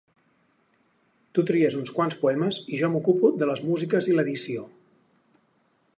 Tu tries uns quants poemes i jo m'ocupo de les músiques i l'edició.